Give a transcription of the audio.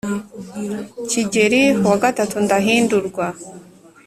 kigeli wa gatatu ndahindurwa